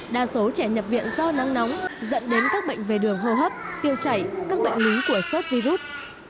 đa số trẻ nhập viện do nắng nóng dẫn đến các bệnh về đường hô hấp tiêu chảy các bệnh lý của sốt virus